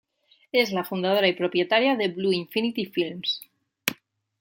Es la fundadora y propietaria de Blue Infinity Films.